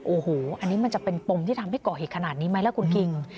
โอ้โหอันนี้มันจะเป็นปมที่ทำให้ก่อเหตุขนาดนี้ไหมล่ะคุณคิง